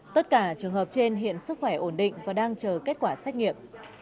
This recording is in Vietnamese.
tất cả trường hợp trên hiện sức khỏe ổn định và đang chờ kết quả xét nghiệm